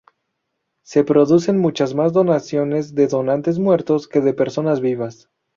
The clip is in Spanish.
Se producen muchas más donaciones de donantes muertos que de personas vivas.